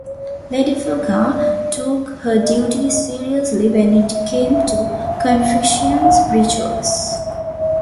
Lady Fuca took her duties seriously when it came to Confucian rituals.